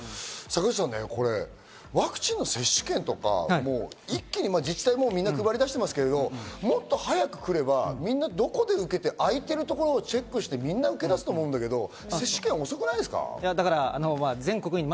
坂口さん、ワクチンの接種券とか、自治体、もうみんな配り出してますけど、もっと早く来ればみんなどこで受けて、空いてるところをチェックして、みんな受け出すと思うんだけど、接種券、遅くないですか？